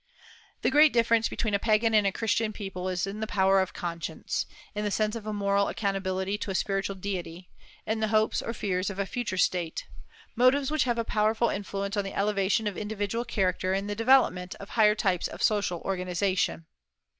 The great difference between a Pagan and a Christian people is in the power of conscience, in the sense of a moral accountability to a spiritual Deity, in the hopes or fears of a future state, motives which have a powerful influence on the elevation of individual character and the development of higher types of social organization.